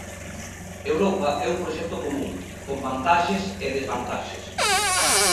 Europa é un proxecto común, con vantaxes e desvantaxes.